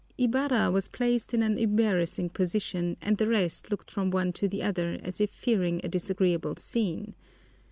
Ibarra was placed in an embarrassing position, and the rest looked from one to the other as if fearing a disagreeable scene.